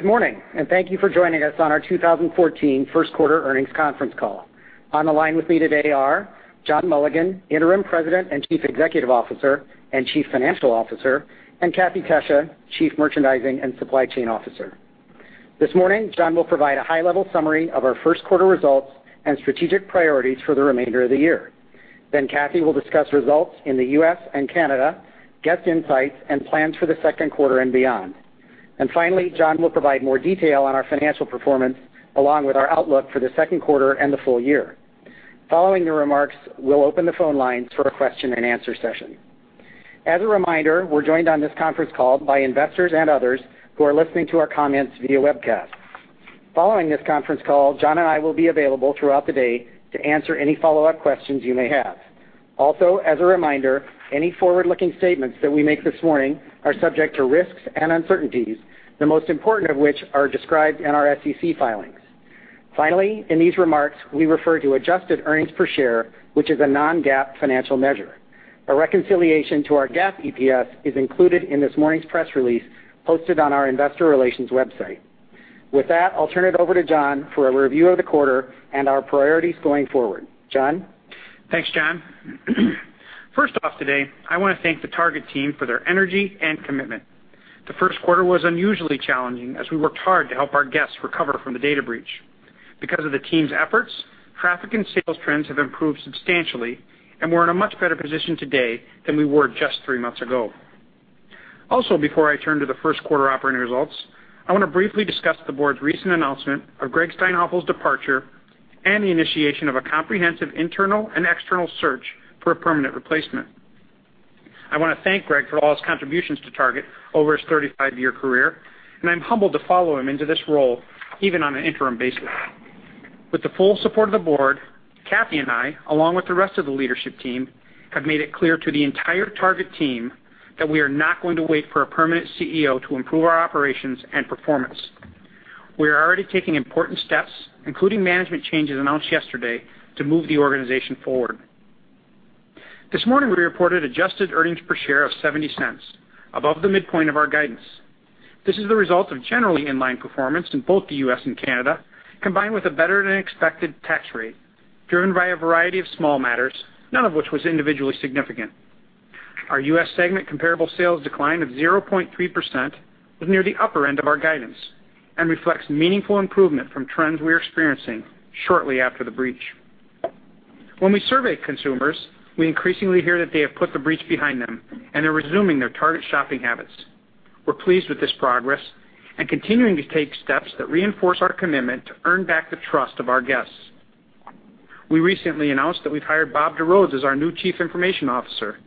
Good morning, and thank you for joining us on our 2014 first quarter earnings conference call. On the line with me today are John Mulligan, Interim President and Chief Executive Officer and Chief Financial Officer, and Kathee Tesija, Chief Merchandising and Supply Chain Officer. This morning, John will provide a high-level summary of our first quarter results and strategic priorities for the remainder of the year. Kathee will discuss results in the U.S. and Canada, guest insights, and plans for the second quarter and beyond. John will provide more detail on our financial performance along with our outlook for the second quarter and the full year. Following the remarks, we'll open the phone lines for a question and answer session. As a reminder, we're joined on this conference call by investors and others who are listening to our comments via webcast. Following this conference call, John and I will be available throughout the day to answer any follow-up questions you may have. As a reminder, any forward-looking statements that we make this morning are subject to risks and uncertainties, the most important of which are described in our SEC filings. Finally, in these remarks, we refer to adjusted earnings per share, which is a non-GAAP financial measure. A reconciliation to our GAAP EPS is included in this morning's press release posted on our investor relations website. With that, I'll turn it over to John for a review of the quarter and our priorities going forward. John? Thanks, John. First off today, I want to thank the Target team for their energy and commitment. The first quarter was unusually challenging as we worked hard to help our guests recover from the data breach. Because of the team's efforts, traffic and sales trends have improved substantially, and we're in a much better position today than we were just three months ago. Before I turn to the first quarter operating results, I want to briefly discuss the board's recent announcement of Gregg Steinhafel's departure and the initiation of a comprehensive internal and external search for a permanent replacement. I want to thank Greg for all his contributions to Target over his 35-year career, and I'm humbled to follow him into this role, even on an interim basis. With the full support of the board, Cathy and I, along with the rest of the leadership team, have made it clear to the entire Target team that we are not going to wait for a permanent CEO to improve our operations and performance. We are already taking important steps, including management changes announced yesterday, to move the organization forward. This morning, we reported adjusted earnings per share of $0.70, above the midpoint of our guidance. This is the result of generally in-line performance in both the U.S. and Canada, combined with a better-than-expected tax rate, driven by a variety of small matters, none of which was individually significant. Our U.S. segment comparable sales decline of 0.3% was near the upper end of our guidance and reflects meaningful improvement from trends we were experiencing shortly after the breach. When we survey consumers, we increasingly hear that they have put the breach behind them, and they're resuming their Target shopping habits. We're pleased with this progress and continuing to take steps that reinforce our commitment to earn back the trust of our guests. We recently announced that we've hired Bob DeRodes as our new Chief Information Officer.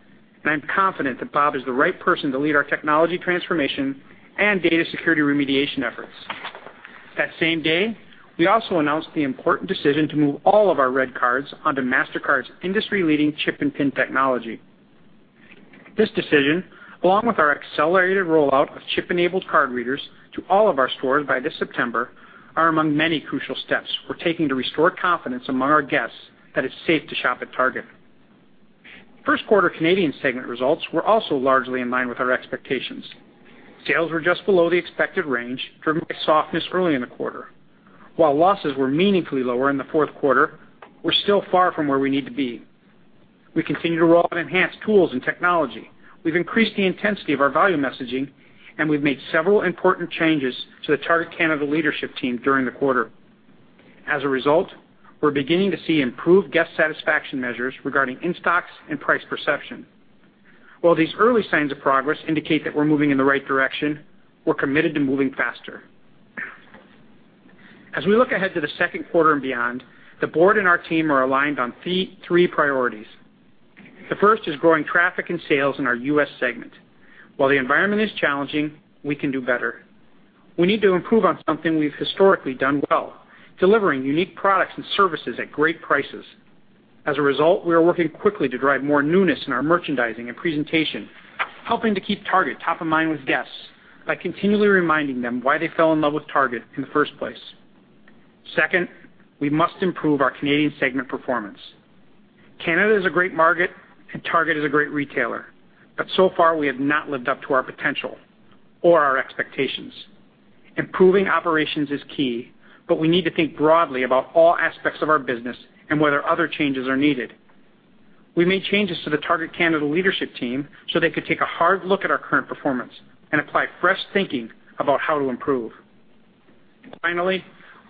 I'm confident that Bob is the right person to lead our technology transformation and data security remediation efforts. That same day, we also announced the important decision to move all of our REDcards onto Mastercard's industry-leading chip-and-PIN technology. This decision, along with our accelerated rollout of chip-enabled card readers to all of our stores by this September, are among many crucial steps we're taking to restore confidence among our guests that it's safe to shop at Target. First quarter Canadian Segment results were also largely in line with our expectations. Sales were just below the expected range due to softness early in the quarter. While losses were meaningfully lower in the fourth quarter, we're still far from where we need to be. We continue to roll out enhanced tools and technology. We've increased the intensity of our value messaging, and we've made several important changes to the Target Canada leadership team during the quarter. As a result, we're beginning to see improved guest satisfaction measures regarding in-stocks and price perception. While these early signs of progress indicate that we're moving in the right direction, we're committed to moving faster. As we look ahead to the second quarter and beyond, the board and our team are aligned on three priorities. The first is growing traffic and sales in our U.S. Segment. While the environment is challenging, we can do better. We need to improve on something we've historically done well, delivering unique products and services at great prices. As a result, we are working quickly to drive more newness in our merchandising and presentation, helping to keep Target top of mind with guests by continually reminding them why they fell in love with Target in the first place. Second, we must improve our Canadian Segment performance. Canada is a great market, and Target is a great retailer. So far, we have not lived up to our potential or our expectations. Improving operations is key, but we need to think broadly about all aspects of our business and whether other changes are needed. We made changes to the Target Canada leadership team so they could take a hard look at our current performance and apply fresh thinking about how to improve. Finally, we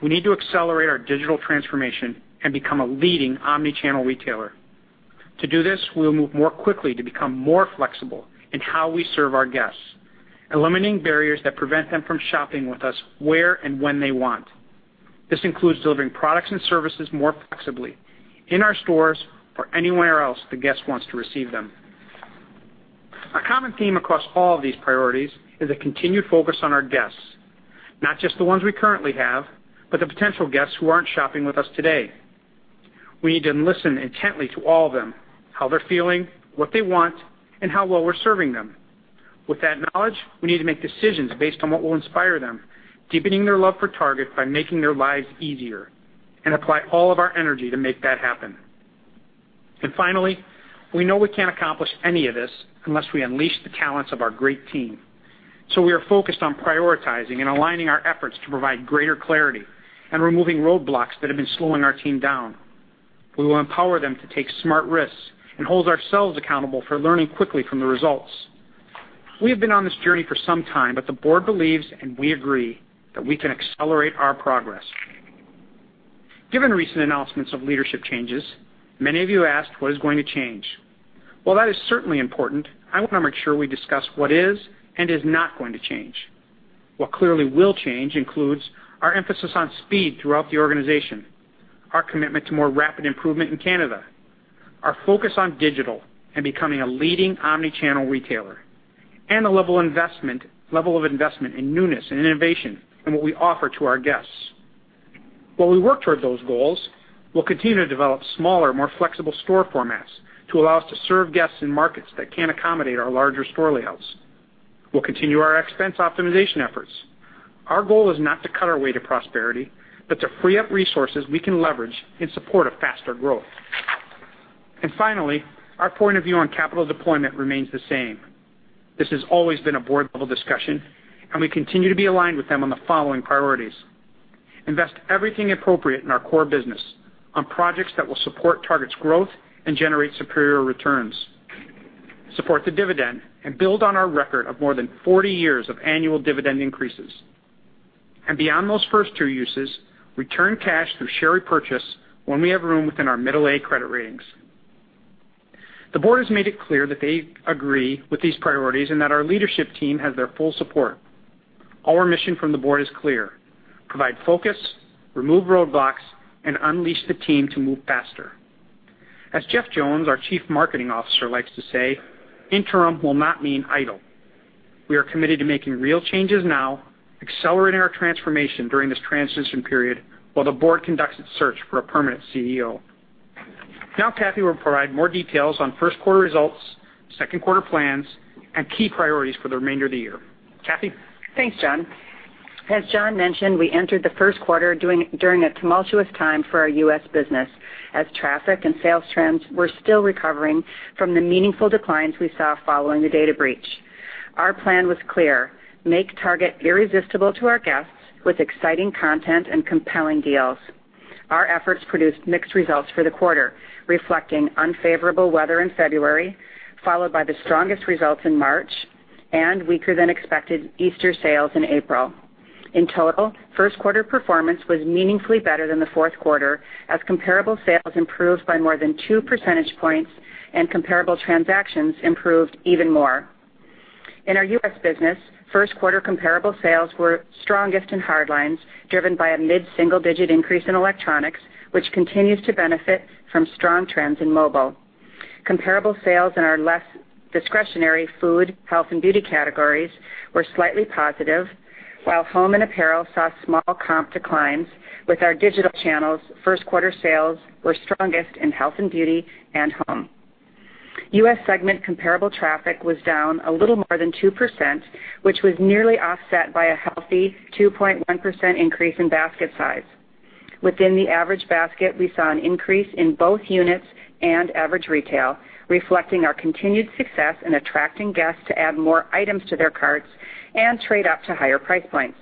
need to accelerate our digital transformation and become a leading omni-channel retailer. To do this, we will move more quickly to become more flexible in how we serve our guests, eliminating barriers that prevent them from shopping with us where and when they want. This includes delivering products and services more flexibly in our stores or anywhere else the guest wants to receive them. A common theme across all of these priorities is a continued focus on our guests, not just the ones we currently have, but the potential guests who aren't shopping with us today. We need to listen intently to all of them, how they're feeling, what they want, and how well we're serving them. With that knowledge, we need to make decisions based on what will inspire them, deepening their love for Target by making their lives easier, and apply all of our energy to make that happen. Finally, we know we can't accomplish any of this unless we unleash the talents of our great team. We are focused on prioritizing and aligning our efforts to provide greater clarity and removing roadblocks that have been slowing our team down. We will empower them to take smart risks and hold ourselves accountable for learning quickly from the results. We have been on this journey for some time, but the board believes, and we agree, that we can accelerate our progress. Given recent announcements of leadership changes, many of you asked what is going to change. While that is certainly important, I want to make sure we discuss what is and is not going to change. What clearly will change includes our emphasis on speed throughout the organization, our commitment to more rapid improvement in Target Canada, our focus on digital and becoming a leading omni-channel retailer, and the level of investment in newness and innovation and what we offer to our guests. While we work toward those goals, we'll continue to develop smaller, more flexible store formats to allow us to serve guests in markets that can't accommodate our larger store layouts. We'll continue our expense optimization efforts. Our goal is not to cut our way to prosperity, but to free up resources we can leverage in support of faster growth. Finally, our point of view on capital deployment remains the same. This has always been a board-level discussion, and we continue to be aligned with them on the following priorities: invest everything appropriate in our core business on projects that will support Target's growth and generate superior returns. Support the dividend and build on our record of more than 40 years of annual dividend increases. Beyond those first two uses, return cash through share repurchase when we have room within our middle A credit ratings. The board has made it clear that they agree with these priorities and that our leadership team has their full support. Our mission from the board is clear: provide focus, remove roadblocks, and unleash the team to move faster. As Jeff Jones, our Chief Marketing Officer, likes to say, "Interim will not mean idle." We are committed to making real changes now, accelerating our transformation during this transition period while the board conducts its search for a permanent CEO. Now Cathy will provide more details on first-quarter results, second-quarter plans, and key priorities for the remainder of the year. Cathy? Thanks, John. As John mentioned, we entered the first quarter during a tumultuous time for our U.S. business, as traffic and sales trends were still recovering from the meaningful declines we saw following the data breach. Our plan was clear: make Target irresistible to our guests with exciting content and compelling deals. Our efforts produced mixed results for the quarter, reflecting unfavorable weather in February, followed by the strongest results in March, and weaker-than-expected Easter sales in April. In total, first-quarter performance was meaningfully better than the fourth quarter, as comparable sales improved by more than two percentage points, and comparable transactions improved even more. In our U.S. business, first-quarter comparable sales were strongest in hard lines, driven by a mid-single-digit increase in electronics, which continues to benefit from strong trends in mobile. Comparable sales in our less discretionary food, health, and beauty categories were slightly positive. While home and apparel saw small comp declines with our digital channels, first-quarter sales were strongest in health and beauty and home. U.S. segment comparable traffic was down a little more than 2%, which was nearly offset by a healthy 2.1% increase in basket size. Within the average basket, we saw an increase in both units and average retail, reflecting our continued success in attracting guests to add more items to their carts and trade up to higher price points.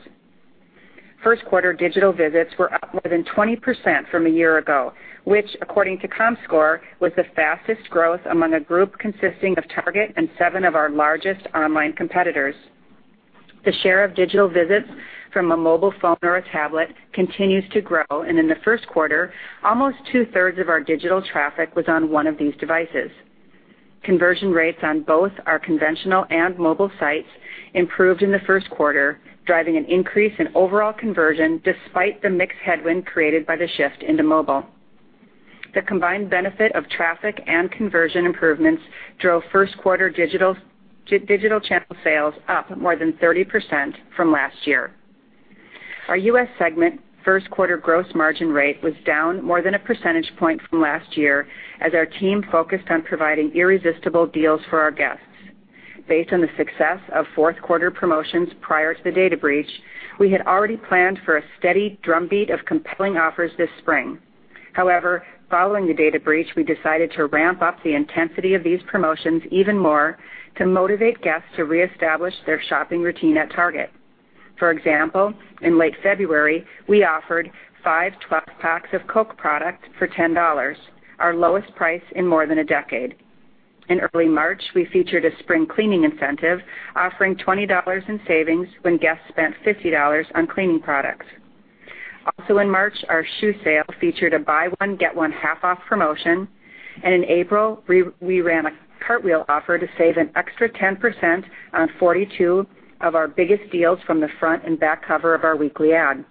First-quarter digital visits were up more than 20% from a year ago, which, according to comScore, was the fastest growth among a group consisting of Target and seven of our largest online competitors. The share of digital visits from a mobile phone or a tablet continues to grow, and in the first quarter, almost two-thirds of our digital traffic was on one of these devices. Conversion rates on both our conventional and mobile sites improved in the first quarter, driving an increase in overall conversion despite the mixed headwind created by the shift into mobile. The combined benefit of traffic and conversion improvements drove first-quarter digital channel sales up more than 30% from last year. Our U.S. segment first-quarter gross margin rate was down more than a percentage point from last year, as our team focused on providing irresistible deals for our guests. Based on the success of fourth-quarter promotions prior to the data breach, we had already planned for a steady drumbeat of compelling offers this spring. However, following the data breach, we decided to ramp up the intensity of these promotions even more to motivate guests to reestablish their shopping routine at Target. For example, in late February, we offered five 12-packs of Coke product for $10, our lowest price in more than a decade. In early March, we featured a spring cleaning incentive, offering $20 in savings when guests spent $50 on cleaning products. Also in March, our shoe sale featured a buy one, get one half off promotion, and in April, we ran a Cartwheel offer to save an extra 10% on 42 of our biggest deals from the front and back cover of our weekly ad.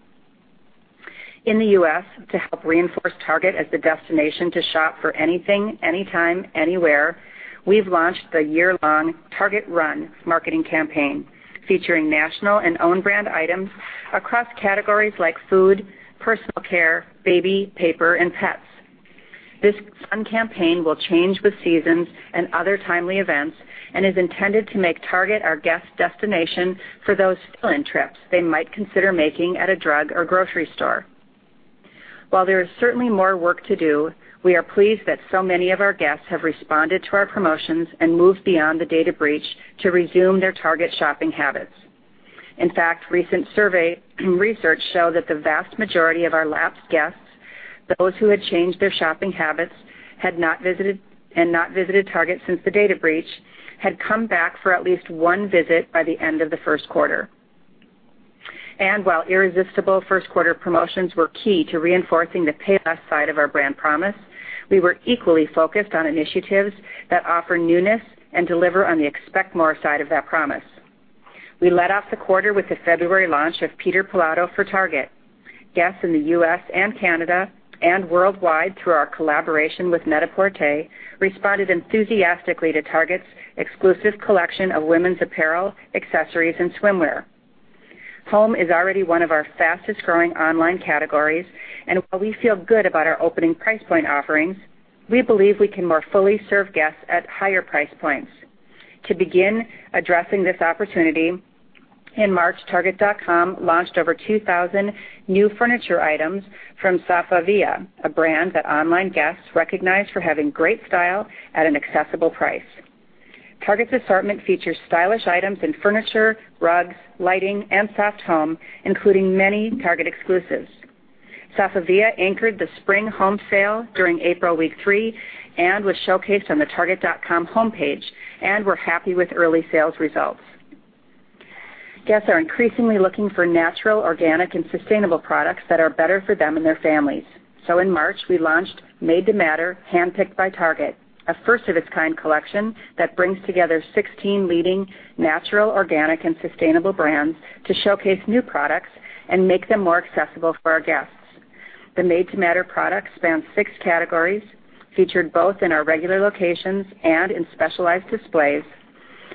In the U.S., to help reinforce Target as the destination to shop for anything, anytime, anywhere, we've launched the year-long Target Run marketing campaign, featuring national and own brand items across categories like food, personal care, baby, paper, and pets. This run campaign will change with seasons and other timely events and is intended to make Target our guest destination for those fill-in trips they might consider making at a drug or grocery store. While there is certainly more work to do, we are pleased that so many of our guests have responded to our promotions and moved beyond the data breach to resume their Target shopping habits. In fact, recent survey research show that the vast majority of our lapsed guests, those who had changed their shopping habits, and not visited Target since the data breach, had come back for at least one visit by the end of the first quarter. While irresistible first-quarter promotions were key to reinforcing the Pay Less side of our brand promise, we were equally focused on initiatives that offer newness and deliver on the Expect More side of that promise. We led off the quarter with the February launch of Peter Pilotto for Target. Guests in the U.S. and Canada and worldwide, through our collaboration with NET-A-PORTER, responded enthusiastically to Target's exclusive collection of women's apparel, accessories, and swimwear. Home is already one of our fastest-growing online categories, and while we feel good about our opening price point offerings, we believe we can more fully serve guests at higher price points. To begin addressing this opportunity, in March, target.com launched over 2,000 new furniture items from Safavieh, a brand that online guests recognize for having great style at an accessible price. Target's assortment features stylish items in furniture, rugs, lighting, and soft home, including many Target exclusives. Safavieh anchored the spring home sale during April week 3 and was showcased on the target.com homepage, and we're happy with early sales results. In March, we launched Made to Matter–Handpicked by Target, a first-of-its-kind collection that brings together 16 leading natural, organic, and sustainable brands to showcase new products and make them more accessible for our guests. The Made to Matter products span six categories, featured both in our regular locations and in specialized displays,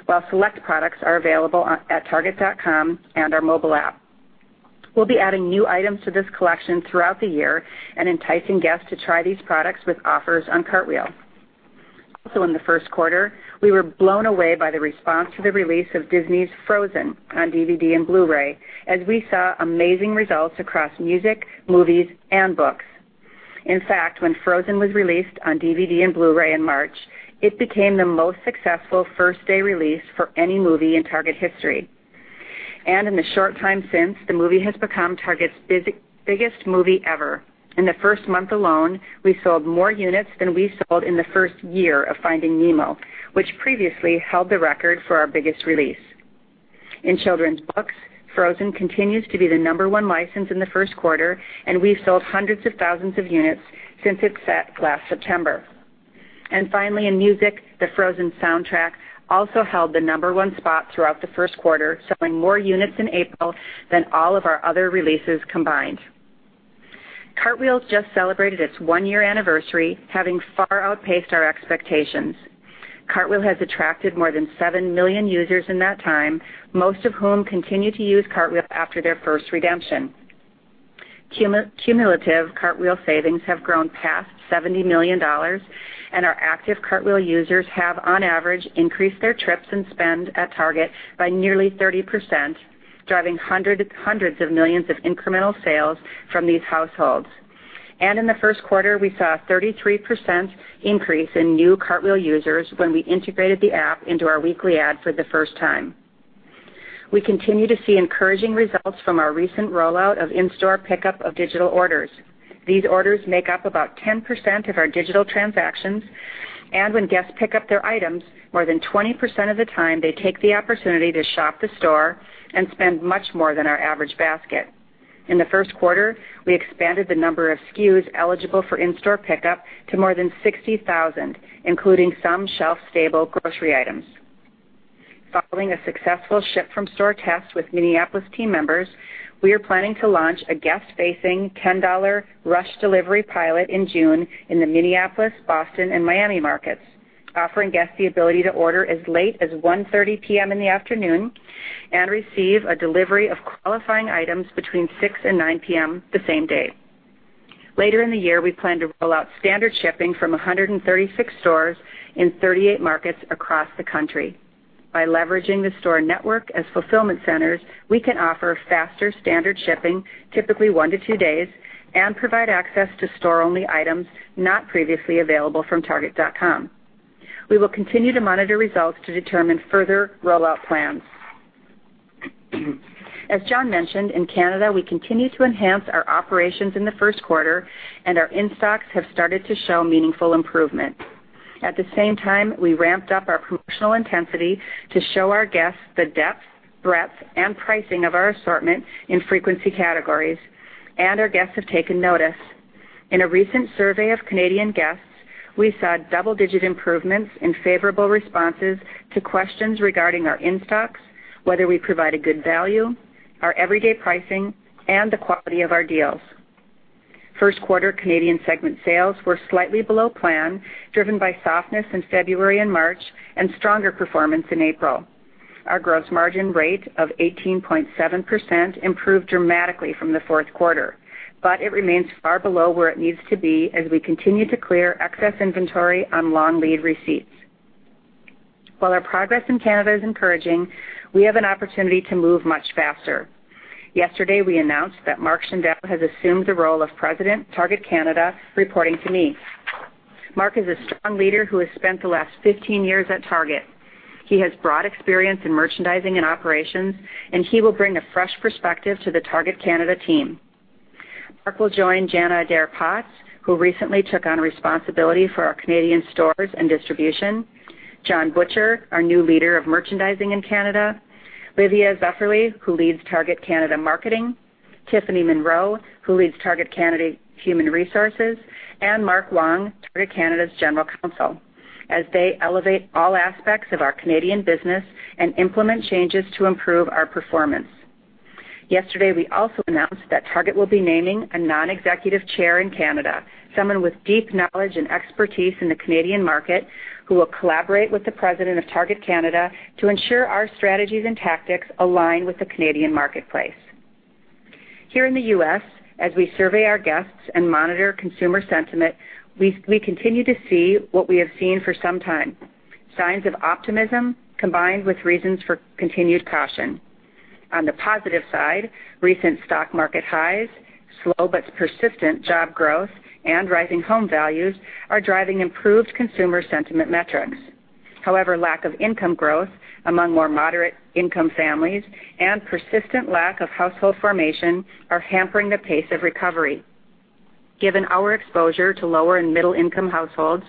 while select products are available at target.com and our mobile app. We'll be adding new items to this collection throughout the year and enticing guests to try these products with offers on Cartwheel. In the first quarter, we were blown away by the response to the release of Disney's "Frozen" on DVD and Blu-ray, as we saw amazing results across music, movies, and books. When "Frozen" was released on DVD and Blu-ray in March, it became the most successful first-day release for any movie in Target history. In the short time since, the movie has become Target's biggest movie ever. In the first month alone, we sold more units than we sold in the first year of "Finding Nemo," which previously held the record for our biggest release. In children's books, "Frozen" continues to be the number one license in the first quarter, and we've sold hundreds of thousands of units since it set last September. Finally, in music, the "Frozen" soundtrack also held the number one spot throughout the first quarter, selling more units in April than all of our other releases combined. Cartwheel just celebrated its one-year anniversary, having far outpaced our expectations. Cartwheel has attracted more than 7 million users in that time, most of whom continue to use Cartwheel after their first redemption. Cumulative Cartwheel savings have grown past $70 million, and our active Cartwheel users have, on average, increased their trips and spend at Target by nearly 30%, driving hundreds of millions of incremental sales from these households. In the first quarter, we saw a 33% increase in new Cartwheel users when we integrated the app into our weekly ad for the first time. We continue to see encouraging results from our recent rollout of in-store pickup of digital orders. These orders make up about 10% of our digital transactions, and when guests pick up their items, more than 20% of the time, they take the opportunity to shop the store and spend much more than our average basket. In the first quarter, we expanded the number of SKUs eligible for in-store pickup to more than 60,000, including some shelf-stable grocery items. Following a successful ship-from-store test with Minneapolis team members, we are planning to launch a guest-facing $10 rush delivery pilot in June in the Minneapolis, Boston, and Miami markets, offering guests the ability to order as late as 1:30 P.M. in the afternoon and receive a delivery of qualifying items between 6:00 and 9:00 P.M. the same day. Later in the year, we plan to roll out standard shipping from 136 stores in 38 markets across the country. By leveraging the store network as fulfillment centers, we can offer faster standard shipping, typically one to two days, and provide access to store-only items not previously available from target.com. We will continue to monitor results to determine further rollout plans. As John mentioned, in Canada, we continued to enhance our operations in the first quarter, and our in-stocks have started to show meaningful improvement. At the same time, we ramped up our promotional intensity to show our guests the depth, breadth, and pricing of our assortment in frequency categories, and our guests have taken notice. In a recent survey of Canadian guests, we saw double-digit improvements in favorable responses to questions regarding our in-stocks, whether we provide a good value, our everyday pricing, and the quality of our deals. First quarter Canadian segment sales were slightly below plan, driven by softness in February and March and stronger performance in April. Our gross margin rate of 18.7% improved dramatically from the fourth quarter, but it remains far below where it needs to be as we continue to clear excess inventory on long lead receipts. While our progress in Canada is encouraging, we have an opportunity to move much faster. Yesterday, we announced that Mark Schindele has assumed the role of President, Target Canada, reporting to me. Mark is a strong leader who has spent the last 15 years at Target. He has broad experience in merchandising and operations, and he will bring a fresh perspective to the Target Canada team. Mark will join Janna Adair Potts, who recently took on responsibility for our Canadian stores and distribution, John Butcher, our new leader of merchandising in Canada, Livia Zufferli, who leads Target Canada marketing, Tiffany Monroe, who leads Target Canada human resources, and Mark Wong, Target Canada's general counsel, as they elevate all aspects of our Canadian business and implement changes to improve our performance. Yesterday, we also announced that Target will be naming a non-executive chair in Canada, someone with deep knowledge and expertise in the Canadian market, who will collaborate with the president of Target Canada to ensure our strategies and tactics align with the Canadian marketplace. Here in the U.S., as we survey our guests and monitor consumer sentiment, we continue to see what we have seen for some time: signs of optimism combined with reasons for continued caution. On the positive side, recent stock market highs, slow but persistent job growth, and rising home values are driving improved consumer sentiment metrics. However, lack of income growth among more moderate income families and persistent lack of household formation are hampering the pace of recovery. Given our exposure to lower and middle-income households,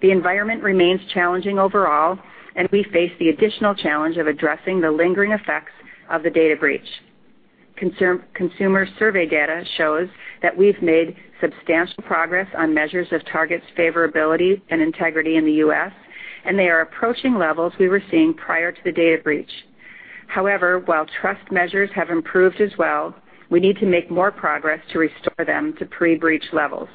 the environment remains challenging overall, and we face the additional challenge of addressing the lingering effects of the data breach. Consumer survey data shows that we've made substantial progress on measures of Target's favorability and integrity in the U.S., and they are approaching levels we were seeing prior to the data breach. However, while trust measures have improved as well, we need to make more progress to restore them to pre-breach levels.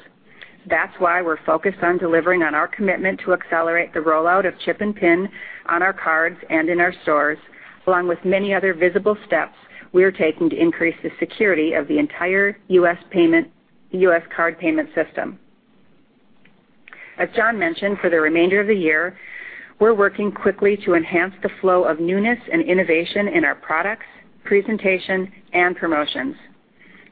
That's why we're focused on delivering on our commitment to accelerate the rollout of chip-and-PIN on our cards and in our stores, along with many other visible steps we are taking to increase the security of the entire U.S. card payment system. As John mentioned, for the remainder of the year, we're working quickly to enhance the flow of newness and innovation in our products, presentation, and promotions.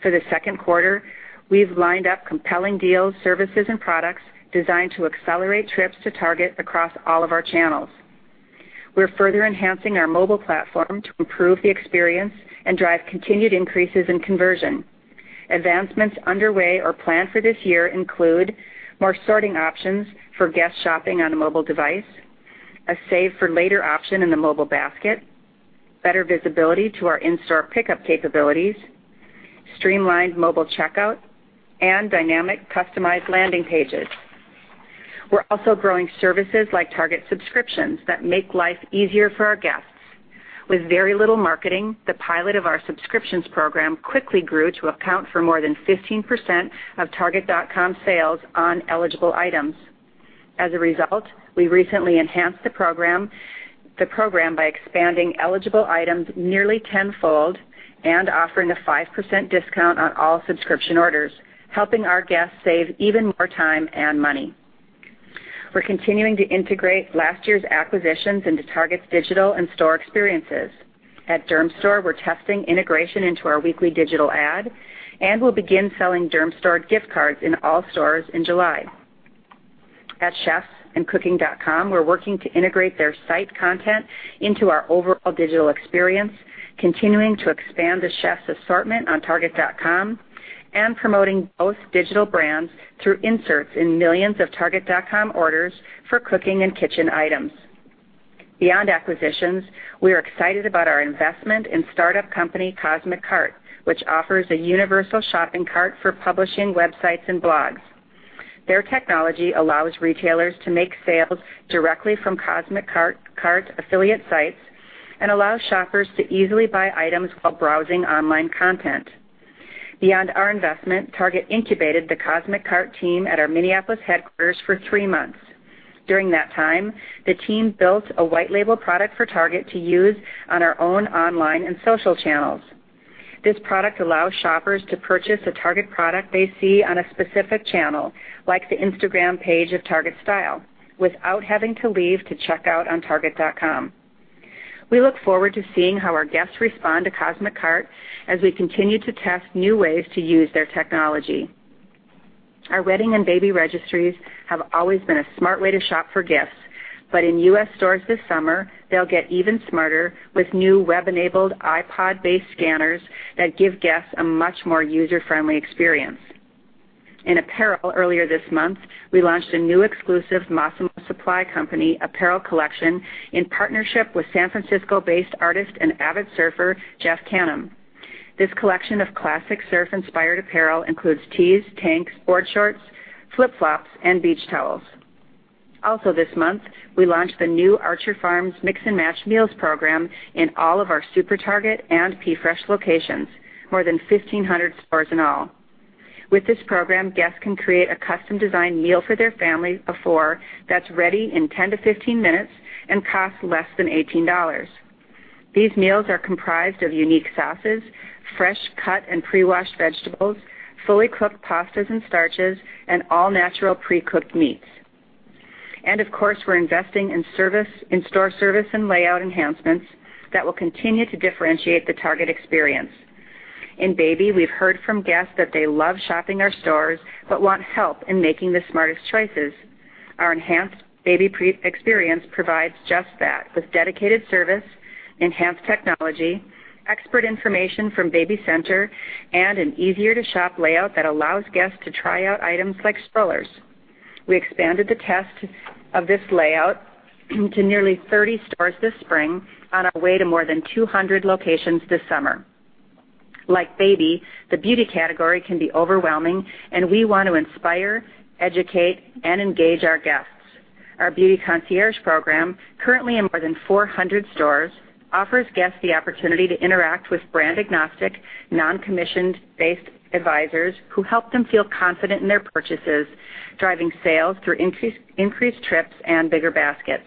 For the second quarter, we've lined up compelling deals, services, and products designed to accelerate trips to Target across all of our channels. We're further enhancing our mobile platform to improve the experience and drive continued increases in conversion. Advancements underway or planned for this year include more sorting options for guests shopping on a mobile device, a save for later option in the mobile basket, better visibility to our in-store pickup capabilities, streamlined mobile checkout, and dynamic customized landing pages. We're also growing services like Target subscriptions that make life easier for our guests. With very little marketing, the pilot of our subscriptions program quickly grew to account for more than 15% of target.com sales on eligible items. As a result, we recently enhanced the program by expanding eligible items nearly tenfold and offering a 5% discount on all subscription orders, helping our guests save even more time and money. We're continuing to integrate last year's acquisitions into Target's digital and store experiences. At Dermstore, we're testing integration into our weekly digital ad, and we'll begin selling Dermstore gift cards in all stores in July. At CHEFS and Cooking.com, we're working to integrate their site content into our overall digital experience, continuing to expand the CHEFS' assortment on target.com, and promoting both digital brands through inserts in millions of target.com orders for cooking and kitchen items. Beyond acquisitions, we are excited about our investment in startup company Cosmic Cart, which offers a universal shopping cart for publishing websites and blogs. Their technology allows retailers to make sales directly from Cosmic Cart affiliate sites and allows shoppers to easily buy items while browsing online content. Beyond our investment, Target incubated the Cosmic Cart team at our Minneapolis headquarters for three months. During that time, the team built a white label product for Target to use on our own online and social channels. This product allows shoppers to purchase a Target product they see on a specific channel, like the Instagram page of TargetStyle, without having to leave to check out on target.com. We look forward to seeing how our guests respond to Cosmic Cart as we continue to test new ways to use their technology. Our wedding and baby registries have always been a smart way to shop for gifts, but in U.S. stores this summer, they'll get even smarter with new web-enabled iPod-based scanners that give guests a much more user-friendly experience. In apparel earlier this month, we launched a new exclusive Mossimo Supply Co. apparel collection in partnership with San Francisco-based artist and avid surfer, Jeff Canham. This collection of classic surf-inspired apparel includes tees, tanks, board shorts, flip-flops, and beach towels. This month, we launched the new Archer Farms Mix & Match Meals program in all of our SuperTarget and PFresh locations, more than 1,500 stores in all. With this program, guests can create a custom-designed meal for their family of four that's ready in 10 to 15 minutes and costs less than $18. These meals are comprised of unique sauces, fresh cut and pre-washed vegetables, fully cooked pastas and starches, and all-natural pre-cooked meats. Of course, we're investing in store service and layout enhancements that will continue to differentiate the Target experience. In baby, we've heard from guests that they love shopping our stores but want help in making the smartest choices. Our enhanced baby experience provides just that, with dedicated service, enhanced technology, expert information from BabyCenter, and an easier-to-shop layout that allows guests to try out items like strollers. We expanded the test of this layout to nearly 30 stores this spring on our way to more than 200 locations this summer. Like baby, the beauty category can be overwhelming, and we want to inspire, educate, and engage our guests. Our beauty concierge program, currently in more than 400 stores, offers guests the opportunity to interact with brand-agnostic, non-commissioned-based advisors who help them feel confident in their purchases, driving sales through increased trips and bigger baskets.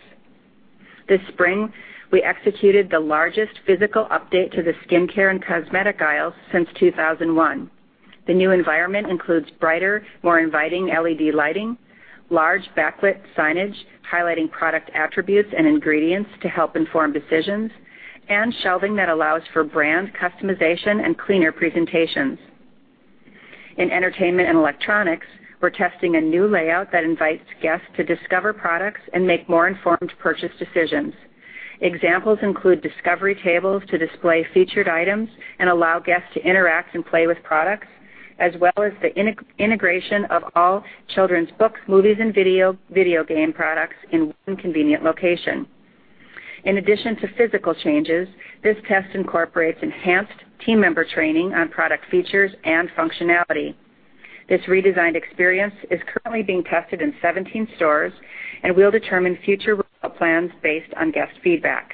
This spring, we executed the largest physical update to the skincare and cosmetic aisles since 2001. The new environment includes brighter, more inviting LED lighting, large backlit signage highlighting product attributes and ingredients to help inform decisions, and shelving that allows for brand customization and cleaner presentations. In entertainment and electronics, we're testing a new layout that invites guests to discover products and make more informed purchase decisions. Examples include discovery tables to display featured items and allow guests to interact and play with products, as well as the integration of all children's books, movies, and video game products in one convenient location. In addition to physical changes, this test incorporates enhanced team member training on product features and functionality. This redesigned experience is currently being tested in 17 stores, and we'll determine future rollout plans based on guest feedback.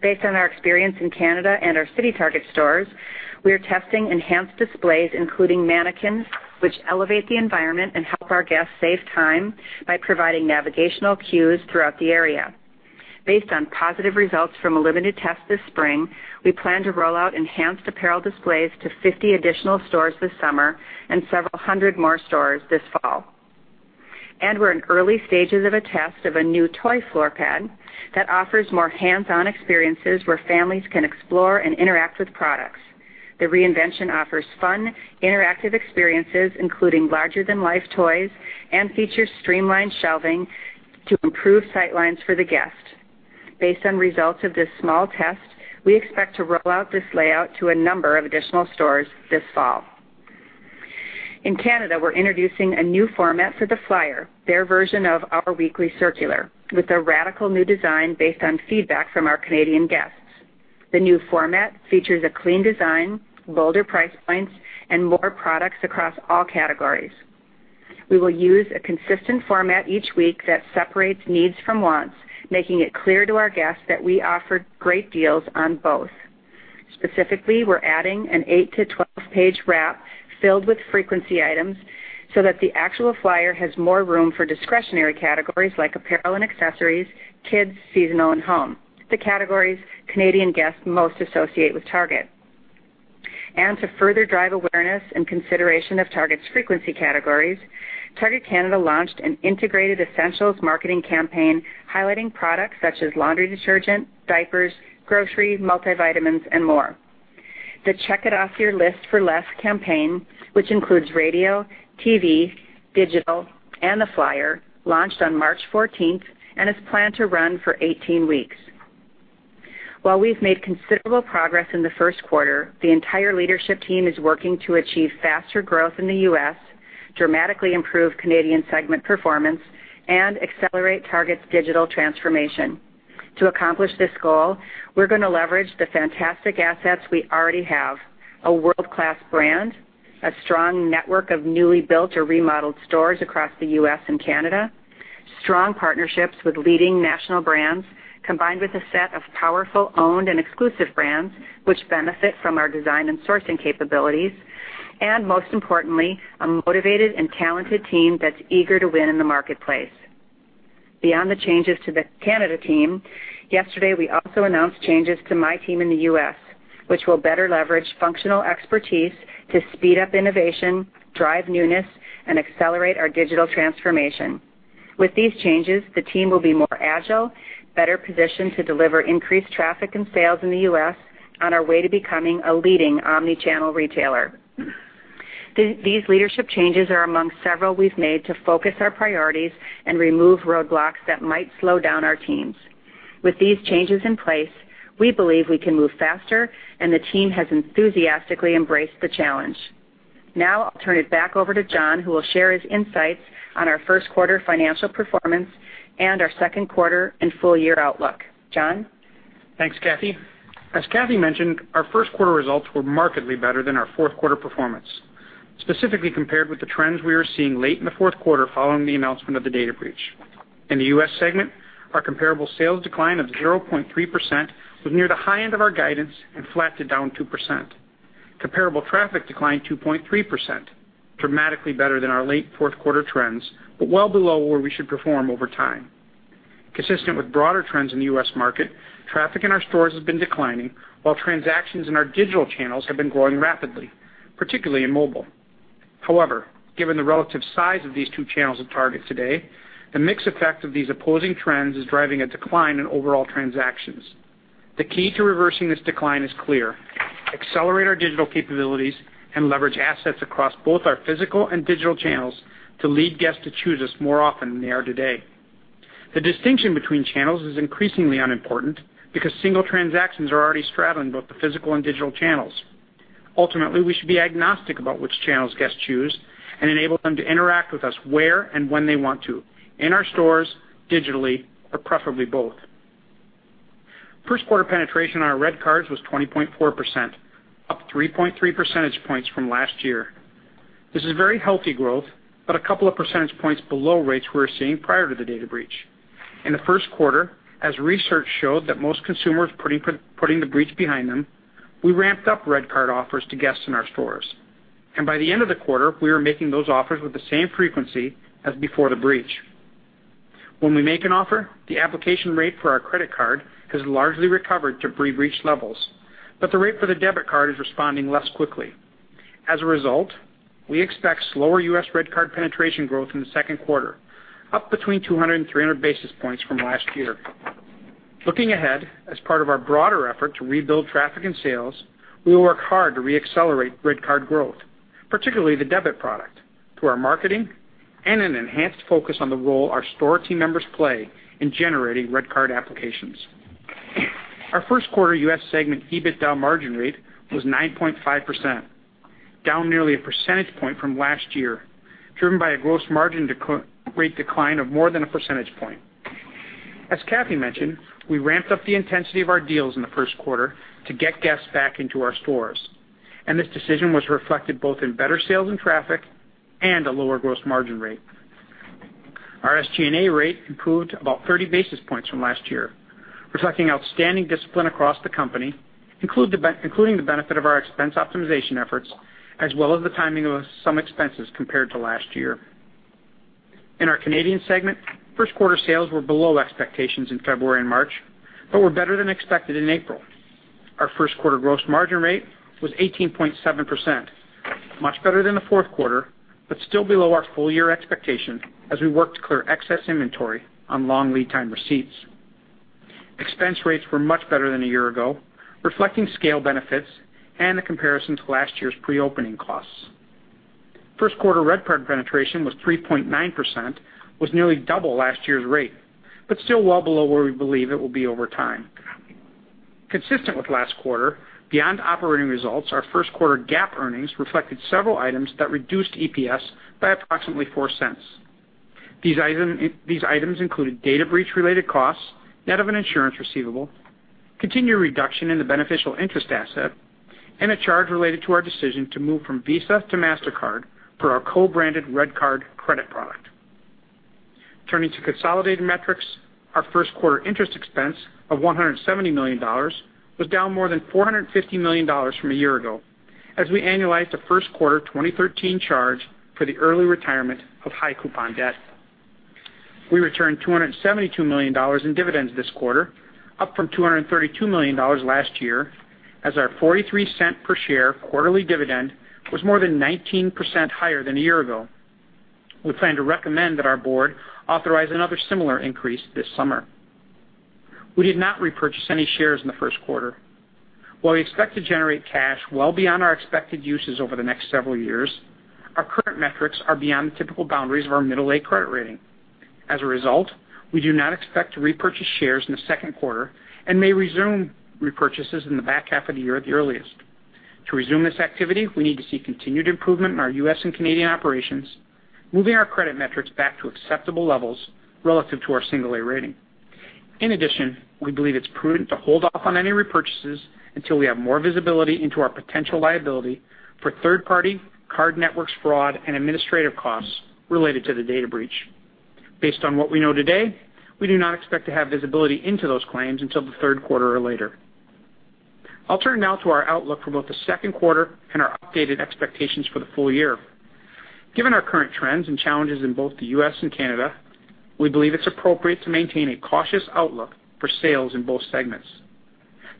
Based on our experience in Canada and our CityTarget stores, we are testing enhanced displays, including mannequins, which elevate the environment and help our guests save time by providing navigational cues throughout the area. Based on positive results from a limited test this spring, we plan to roll out enhanced apparel displays to 50 additional stores this summer and several hundred more stores this fall. We're in early stages of a test of a new toy floor plan that offers more hands-on experiences where families can explore and interact with products. The reinvention offers fun, interactive experiences, including larger-than-life toys, and features streamlined shelving to improve sight lines for the guest. Based on results of this small test, we expect to roll out this layout to a number of additional stores this fall. In Canada, we're introducing a new format for the flyer, their version of our weekly circular, with a radical new design based on feedback from our Canadian guests. The new format features a clean design, bolder price points, and more products across all categories. We will use a consistent format each week that separates needs from wants, making it clear to our guests that we offer great deals on both. Specifically, we're adding an 8-to-12-page wrap filled with frequency items so that the actual flyer has more room for discretionary categories like apparel and accessories, kids, seasonal, and home, the categories Canadian guests most associate with Target. To further drive awareness and consideration of Target's frequency categories, Target Canada launched an integrated essentials marketing campaign highlighting products such as laundry detergent, diapers, grocery, multivitamins, and more. The Check It Off Your List For Less campaign, which includes radio, TV, digital, and the flyer, launched on March 14th and is planned to run for 18 weeks. While we've made considerable progress in the first quarter, the entire leadership team is working to achieve faster growth in the U.S., dramatically improve Canadian segment performance, and accelerate Target's digital transformation. To accomplish this goal, we're going to leverage the fantastic assets we already have, a world-class brand, a strong network of newly built or remodeled stores across the U.S. and Canada, strong partnerships with leading national brands, combined with a set of powerful owned and exclusive brands which benefit from our design and sourcing capabilities, and most importantly, a motivated and talented team that's eager to win in the marketplace. Beyond the changes to the Canada team, yesterday, we also announced changes to my team in the U.S., which will better leverage functional expertise to speed up innovation, drive newness, and accelerate our digital transformation. With these changes, the team will be more agile, better positioned to deliver increased traffic and sales in the U.S. on our way to becoming a leading omni-channel retailer. These leadership changes are among several we've made to focus our priorities and remove roadblocks that might slow down our teams. With these changes in place, we believe we can move faster, and the team has enthusiastically embraced the challenge. I'll turn it back over to John, who will share his insights on our first quarter financial performance and our second quarter and full-year outlook. John? Thanks, Cathy. As Cathy mentioned, our first quarter results were markedly better than our fourth quarter performance, specifically compared with the trends we were seeing late in the fourth quarter following the announcement of the data breach. In the U.S. segment, our comparable sales decline of 0.3% was near the high end of our guidance and flat to down 2%. Comparable traffic declined 2.3%, dramatically better than our late fourth-quarter trends, but well below where we should perform over time. Consistent with broader trends in the U.S. market, traffic in our stores has been declining, while transactions in our digital channels have been growing rapidly, particularly in mobile. However, given the relative size of these two channels at Target today, the mix effect of these opposing trends is driving a decline in overall transactions. The key to reversing this decline is clear: accelerate our digital capabilities and leverage assets across both our physical and digital channels to lead guests to choose us more often than they are today. The distinction between channels is increasingly unimportant because single transactions are already straddling both the physical and digital channels. Ultimately, we should be agnostic about which channels guests choose and enable them to interact with us where and when they want to, in our stores, digitally, or preferably both. First-quarter penetration on our REDcards was 20.4%, up 3.3 percentage points from last year. This is very healthy growth, but a couple of percentage points below rates we were seeing prior to the data breach. In the first quarter, as research showed that most consumers putting the breach behind them, we ramped up REDcard offers to guests in our stores. By the end of the quarter, we were making those offers with the same frequency as before the breach. When we make an offer, the application rate for our credit card has largely recovered to pre-breach levels, but the rate for the debit card is responding less quickly. As a result, we expect slower U.S. REDcard penetration growth in the second quarter, up between 200 and 300 basis points from last year. Looking ahead, as part of our broader effort to rebuild traffic and sales, we will work hard to re-accelerate REDcard growth, particularly the debit product, through our marketing and an enhanced focus on the role our store team members play in generating REDcard applications. Our first quarter U.S. segment EBITDA margin rate was 9.5%, down nearly a percentage point from last year, driven by a gross margin rate decline of more than a percentage point. As Kathee mentioned, we ramped up the intensity of our deals in the first quarter to get guests back into our stores. This decision was reflected both in better sales and traffic and a lower gross margin rate. Our SG&A rate improved about 30 basis points from last year, reflecting outstanding discipline across the company, including the benefit of our expense optimization efforts, as well as the timing of some expenses compared to last year. In our Canadian segment, first-quarter sales were below expectations in February and March, but were better than expected in April. Our first-quarter gross margin rate was 18.7%, much better than the fourth quarter, but still below our full-year expectation as we worked to clear excess inventory on long lead time receipts. Expense rates were much better than a year ago, reflecting scale benefits and the comparison to last year's pre-opening costs. First-quarter REDcard penetration was 3.9%, was nearly double last year's rate, still well below where we believe it will be over time. Consistent with last quarter, beyond operating results, our first quarter GAAP earnings reflected several items that reduced EPS by approximately $0.04. These items included data breach-related costs, net of an insurance receivable, continued reduction in the beneficial interest asset, and a charge related to our decision to move from Visa to Mastercard for our co-branded REDcard credit product. Turning to consolidated metrics, our first quarter interest expense of $170 million was down more than $450 million from a year ago, as we annualized the first quarter 2013 charge for the early retirement of high-coupon debt. We returned $272 million in dividends this quarter, up from $232 million last year, as our $0.43 per share quarterly dividend was more than 19% higher than a year ago. We plan to recommend that our board authorize another similar increase this summer. We did not repurchase any shares in the first quarter. While we expect to generate cash well beyond our expected uses over the next several years, our current metrics are beyond the typical boundaries of our middle A credit rating. We do not expect to repurchase shares in the second quarter and may resume repurchases in the back half of the year at the earliest. To resume this activity, we need to see continued improvement in our U.S. and Canadian operations, moving our credit metrics back to acceptable levels relative to our single A rating. We believe it's prudent to hold off on any repurchases until we have more visibility into our potential liability for third-party card networks fraud and administrative costs related to the data breach. Based on what we know today, we do not expect to have visibility into those claims until the third quarter or later. I'll turn now to our outlook for both the second quarter and our updated expectations for the full year. Given our current trends and challenges in both the U.S. and Canada, we believe it's appropriate to maintain a cautious outlook for sales in both segments.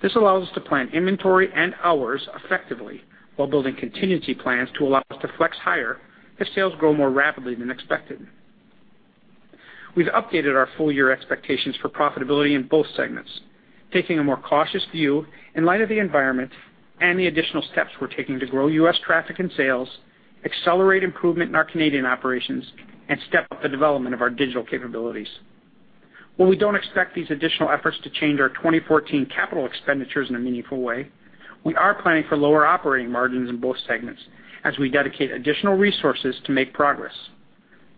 This allows us to plan inventory and hours effectively while building contingency plans to allow us to flex higher if sales grow more rapidly than expected. We've updated our full-year expectations for profitability in both segments, taking a more cautious view in light of the environment and the additional steps we're taking to grow U.S. traffic and sales, accelerate improvement in our Canadian operations, and step up the development of our digital capabilities. While we don't expect these additional efforts to change our 2014 capital expenditures in a meaningful way, we are planning for lower operating margins in both segments as we dedicate additional resources to make progress.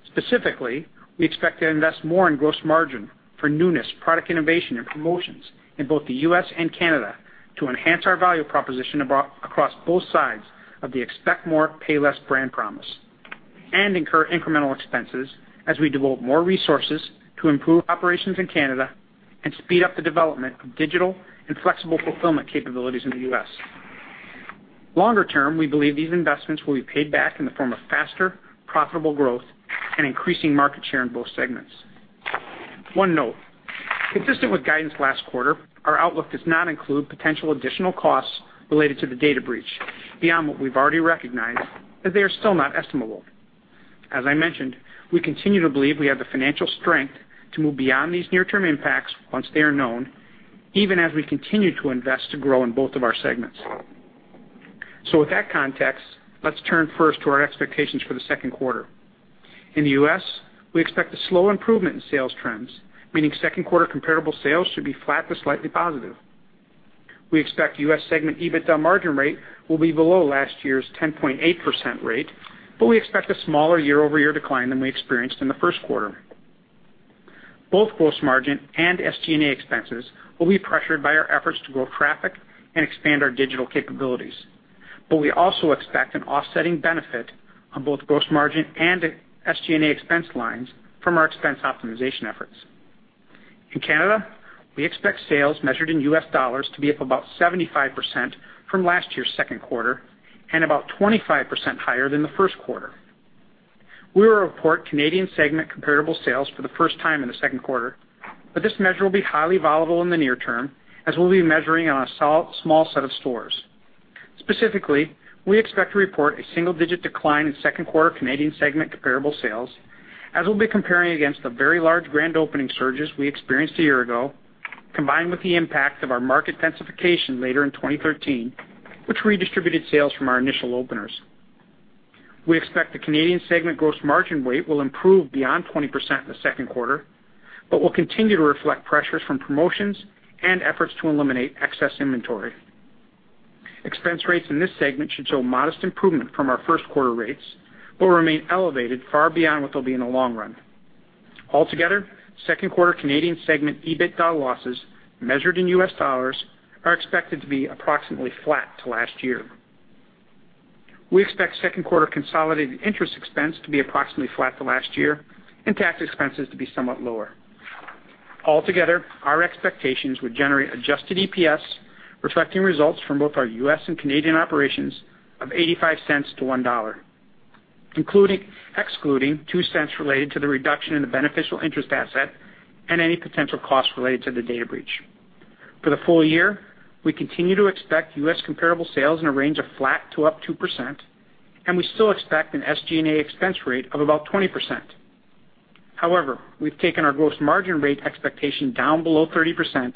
Specifically, we expect to invest more in gross margin for newness, product innovation, and promotions in both the U.S. and Canada to enhance our value proposition across both sides of the Expect More, Pay Less brand promise. Incur incremental expenses as we devote more resources to improve operations in Canada and speed up the development of digital and flexible fulfillment capabilities in the U.S. Longer term, we believe these investments will be paid back in the form of faster, profitable growth and increasing market share in both segments. One note, consistent with guidance last quarter, our outlook does not include potential additional costs related to the data breach beyond what we've already recognized, as they are still not estimable. As I mentioned, we continue to believe we have the financial strength to move beyond these near-term impacts once they are known, even as we continue to invest to grow in both of our segments. With that context, let's turn first to our expectations for the second quarter. In the U.S., we expect a slow improvement in sales trends, meaning second quarter comparable sales should be flat to slightly positive. We expect U.S. segment EBITDA margin rate will be below last year's 10.8% rate, but we expect a smaller year-over-year decline than we experienced in the first quarter. Both gross margin and SG&A expenses will be pressured by our efforts to grow traffic and expand our digital capabilities. We also expect an offsetting benefit on both gross margin and SG&A expense lines from our expense optimization efforts. In Canada, we expect sales measured in U.S. dollars to be up about 75% from last year's second quarter and about 25% higher than the first quarter. We will report Canadian segment comparable sales for the first time in the second quarter, but this measure will be highly volatile in the near term, as we'll be measuring on a small set of stores. Specifically, we expect to report a single-digit decline in second quarter Canadian segment comparable sales, as we'll be comparing against the very large grand opening surges we experienced a year ago, combined with the impact of our market densification later in 2013, which redistributed sales from our initial openers. We expect the Canadian segment gross margin rate will improve beyond 20% in the second quarter, but will continue to reflect pressures from promotions and efforts to eliminate excess inventory. Expense rates in this segment should show modest improvement from our first quarter rates, but remain elevated far beyond what they'll be in the long run. Altogether, second quarter Canadian segment EBITDA losses measured in U.S. dollars are expected to be approximately flat to last year. We expect second quarter consolidated interest expense to be approximately flat to last year and tax expenses to be somewhat lower. Altogether, our expectations would generate adjusted EPS reflecting results from both our U.S. and Canadian operations of $0.85 to $1, excluding $0.02 related to the reduction in the beneficial interest asset and any potential costs related to the data breach. For the full year, we continue to expect U.S. comparable sales in a range of flat to up 2%, and we still expect an SG&A expense rate of about 20%. We've taken our gross margin rate expectation down below 30%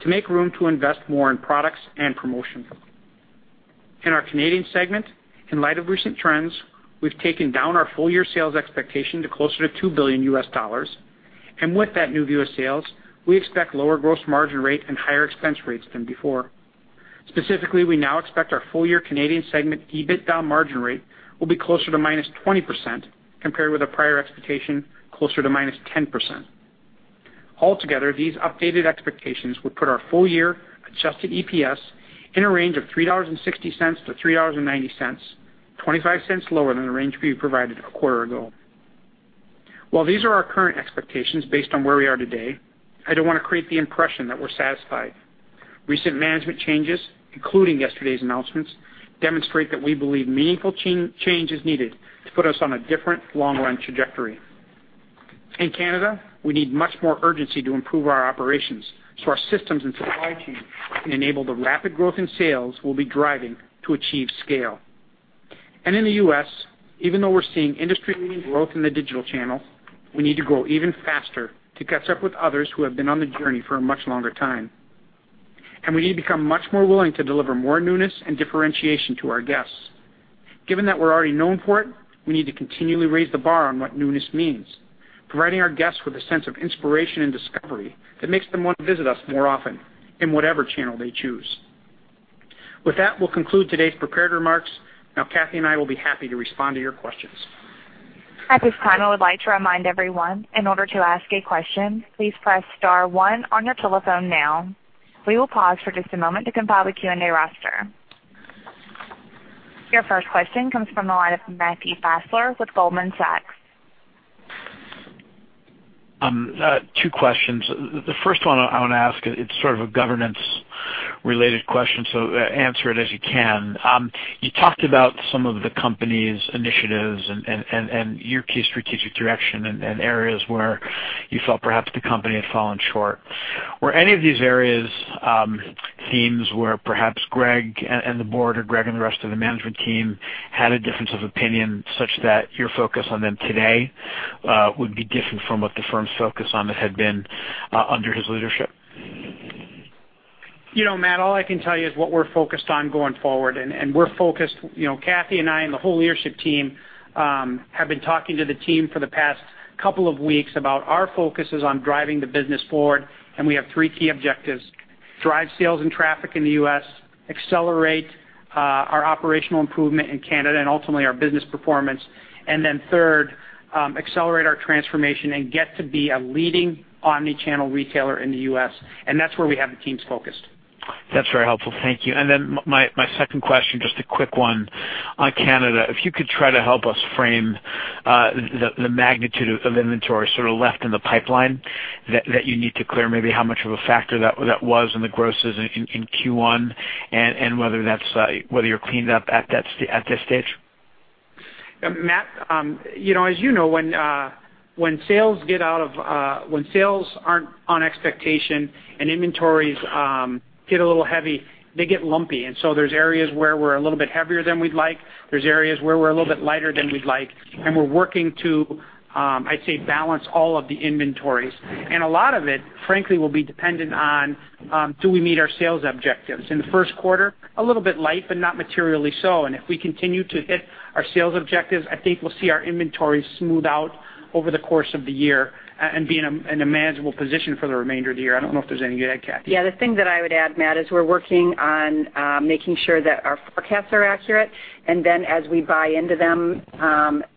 to make room to invest more in products and promotions. In our Canadian segment, in light of recent trends, we've taken down our full-year sales expectation to closer to $2 billion U.S. With that new view of sales, we expect lower gross margin rate and higher expense rates than before. Specifically, we now expect our full-year Canadian segment EBITDA margin rate will be closer to -20% compared with a prior expectation closer to -10%. Altogether, these updated expectations would put our full-year adjusted EPS in a range of $3.60 to $3.90, $0.25 lower than the range we provided a quarter ago. While these are our current expectations based on where we are today, I don't want to create the impression that we're satisfied. Recent management changes, including yesterday's announcements, demonstrate that we believe meaningful change is needed to put us on a different long-run trajectory. In Canada, we need much more urgency to improve our operations so our systems and supply chain can enable the rapid growth in sales we'll be driving to achieve scale. In the U.S., even though we're seeing industry-leading growth in the digital channel, we need to grow even faster to catch up with others who have been on the journey for a much longer time. We need to become much more willing to deliver more newness and differentiation to our guests. Given that we're already known for it, we need to continually raise the bar on what newness means, providing our guests with a sense of inspiration and discovery that makes them want to visit us more often in whatever channel they choose. With that, we'll conclude today's prepared remarks. Kathee and I will be happy to respond to your questions. At this time, I would like to remind everyone, in order to ask a question, please press *1 on your telephone now. We will pause for just a moment to compile the Q&A roster. Your first question comes from the line of Matthew Fassler with Goldman Sachs. Two questions. The first one I want to ask, it's sort of a governance-related question, so answer it as you can. You talked about some of the company's initiatives and your key strategic direction and areas where you felt perhaps the company had fallen short. Were any of these areas themes where perhaps Gregg and the board or Gregg and the rest of the management team had a difference of opinion such that your focus on them today would be different from what the firm's focus on it had been under his leadership? Matt, all I can tell you is what we're focused on going forward. Kathy and I and the whole leadership team have been talking to the team for the past couple of weeks about our focuses on driving the business forward. We have three key objectives: drive sales and traffic in the U.S., accelerate our operational improvement in Canada, and ultimately our business performance. Then third, accelerate our transformation and get to be a leading omni-channel retailer in the U.S. That's where we have the teams focused. That's very helpful. Thank you. Then my second question, just a quick one on Canada. If you could try to help us frame the magnitude of inventory sort of left in the pipeline that you need to clear, maybe how much of a factor that was in the grosses in Q1, and whether you're cleaned up at this stage. Matt, as you know, when sales aren't on expectation and inventories get a little heavy, they get lumpy. So there's areas where we're a little bit heavier than we'd like. There's areas where we're a little bit lighter than we'd like, and we're working to, I'd say, balance all of the inventories. A lot of it, frankly, will be dependent on, do we meet our sales objectives? In the first quarter, a little bit light, but not materially so. If we continue to hit our sales objectives, I think we'll see our inventories smooth out over the course of the year and be in a manageable position for the remainder of the year. I don't know if there's anything you'd add, Kathy. Yeah. The thing that I would add, Matt, is we're working on making sure that our forecasts are accurate, and then as we buy into them,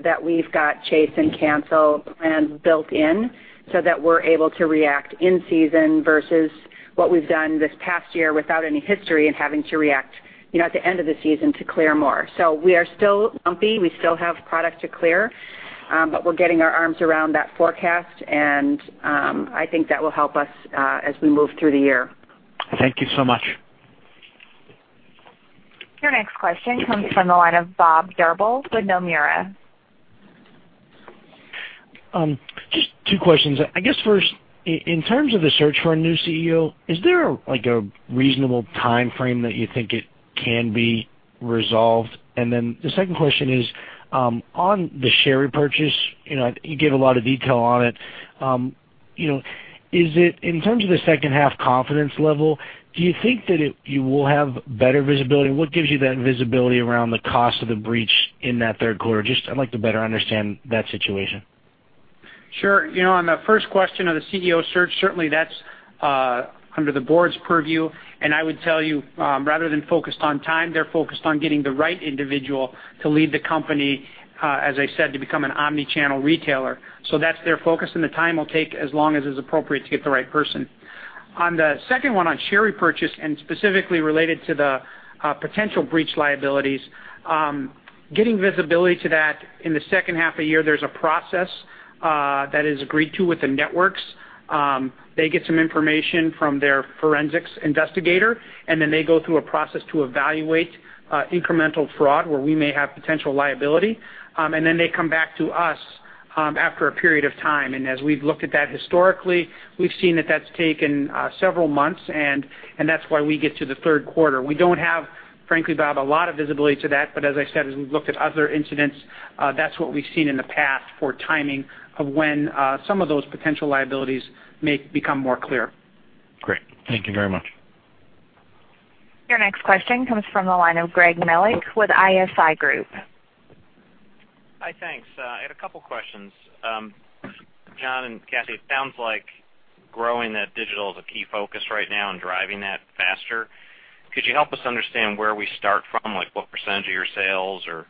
that we've got chase and cancel plans built in so that we're able to react in season versus what we've done this past year without any history and having to react at the end of the season to clear more. We are still lumpy. We still have product to clear. We're getting our arms around that forecast, and I think that will help us as we move through the year. Thank you so much. Your next question comes from the line of Bob Drbul with Nomura. Just two questions. I guess first, in terms of the search for a new CEO, is there a reasonable timeframe that you think it can be resolved? The second question is on the share repurchase. You give a lot of detail on it. In terms of the second half confidence level, do you think that you will have better visibility? What gives you that visibility around the cost of the breach in that third quarter? Just I'd like to better understand that situation. Sure. On the first question of the CEO search, certainly that's under the board's purview. I would tell you, rather than focused on time, they're focused on getting the right individual to lead the company, as I said, to become an omni-channel retailer. That's their focus, and the time will take as long as is appropriate to get the right person. On the second one, on share repurchase, specifically related to the potential breach liabilities, getting visibility to that in the second half of year, there's a process that is agreed to with the networks. They get some information from their forensics investigator, then they go through a process to evaluate incremental fraud where we may have potential liability. Then they come back to us after a period of time. As we've looked at that historically, we've seen that that's taken several months, and that's why we get to the third quarter. We don't have, frankly, Bob, a lot of visibility to that. As I said, as we've looked at other incidents, that's what we've seen in the past for timing of when some of those potential liabilities may become more clear. Great. Thank you very much. Your next question comes from the line of Gregory Melich with ISI Group. Hi, thanks. I had a couple questions. John and Kathee, it sounds like growing that digital is a key focus right now and driving that faster. Could you help us understand where we start from, like what percentage of your sales or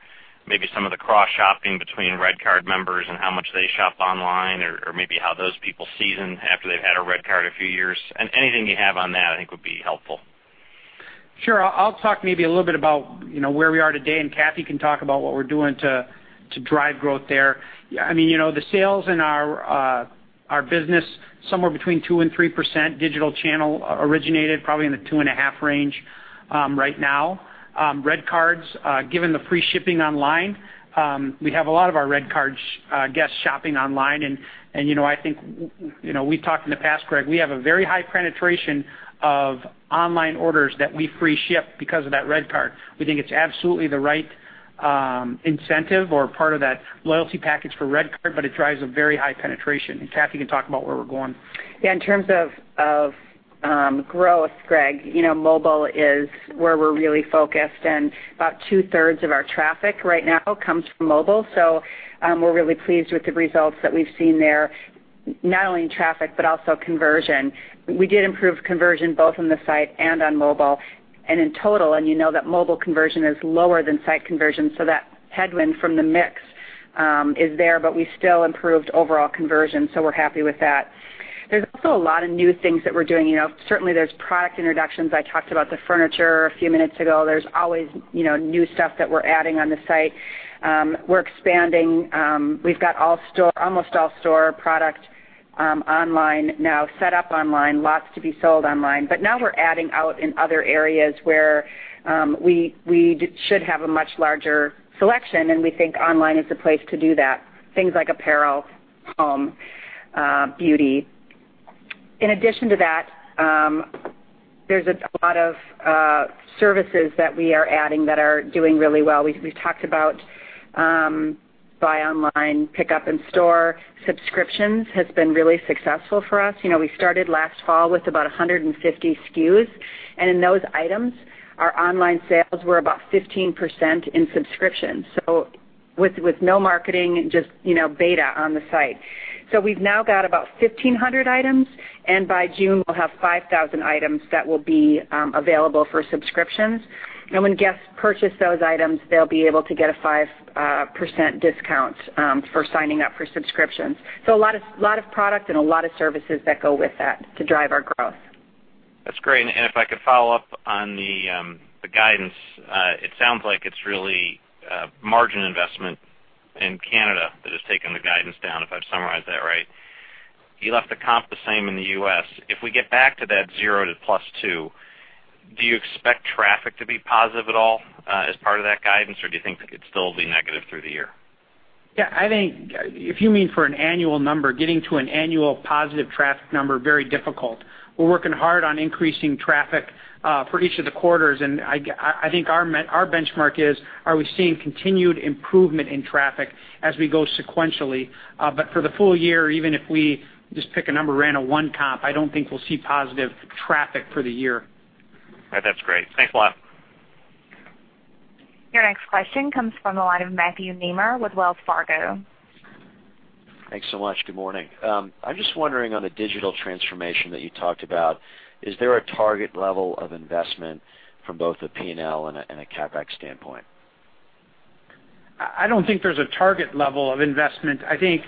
maybe some of the cross-shopping between REDcard members and how much they shop online or maybe how those people season after they've had a REDcard a few years? Anything you have on that, I think, would be helpful. Sure. I'll talk maybe a little bit about where we are today, Kathee can talk about what we're doing to drive growth there. The sales in our business, somewhere between 2% and 3% digital channel originated, probably in the two and a half range right now. REDcards, given the free shipping online, we have a lot of our REDcard guests shopping online, I think we've talked in the past, Greg, we have a very high penetration of online orders that we free ship because of that REDcard. We think it's absolutely the right incentive or part of that loyalty package for REDcard, it drives a very high penetration. Kathee can talk about where we're going. In terms of growth, Greg, mobile is where we're really focused, about two-thirds of our traffic right now comes from mobile. We're really pleased with the results that we've seen there, not only in traffic but also conversion. We did improve conversion both on the site and on mobile and in total, you know that mobile conversion is lower than site conversion, that headwind from the mix is there, we still improved overall conversion, we're happy with that. There's also a lot of new things that we're doing. Certainly, there's product introductions. I talked about the furniture a few minutes ago. There's always new stuff that we're adding on the site. We're expanding. We've got almost all store product online now, set up online, lots to be sold online. Now we're adding out in other areas where we should have a much larger selection, we think online is the place to do that. Things like apparel, home, beauty. In addition to that, there's a lot of services that we are adding that are doing really well. We've talked about buy online, pick up in store. Subscriptions has been really successful for us. We started last fall with about 150 SKUs, in those items, our online sales were about 15% in subscriptions. With no marketing, just beta on the site. We've now got about 1,500 items, by June, we'll have 5,000 items that will be available for subscriptions. When guests purchase those items, they'll be able to get a 5% discount for signing up for subscriptions. A lot of product and a lot of services that go with that to drive our growth. That's great. If I could follow up on the guidance, it sounds like it's really margin investment in Canada that has taken the guidance down, if I've summarized that right. You left the comp the same in the U.S. If we get back to that 0 to +2, do you expect traffic to be positive at all as part of that guidance? Or do you think that it could still be negative through the year? Yeah, I think if you mean for an annual number, getting to an annual positive traffic number, very difficult. We're working hard on increasing traffic for each of the quarters, I think our benchmark is, are we seeing continued improvement in traffic as we go sequentially? For the full year, even if we just pick a number around a 1 comp, I don't think we'll see positive traffic for the year. That's great. Thanks a lot. Your next question comes from the line of Matthew Nemer with Wells Fargo. Thanks so much. Good morning. I'm just wondering on the digital transformation that you talked about, is there a target level of investment from both a P&L and a CapEx standpoint? I don't think there's a target level of investment. I think,